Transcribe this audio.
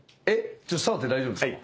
ちょっと触って大丈夫ですか」